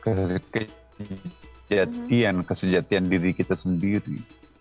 kembali kepada kesetiaan diri kita sendiri